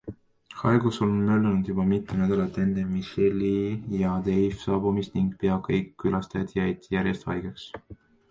Haigus oli möllanud juba mitu nädalat enne Michelle'i ja Dave'i saabumist ning pea kõik külastajad jäid järjest haigeks.